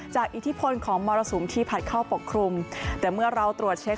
อิทธิพลของมรสุมที่ผัดเข้าปกครุมแต่เมื่อเราตรวจเช็ค